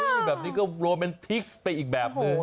แบบนี้ก็โรแมนทิกส์ไปอีกแบบนึง